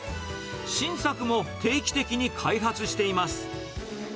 新作も定期的に開発しています。